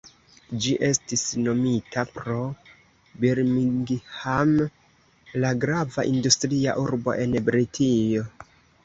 Ĝi estis nomita pro Birmingham, la grava industria urbo en Britio.